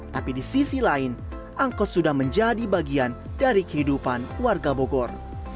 tapi di sisi lain angkot sudah menjadi bagian dari kehidupan warga bogor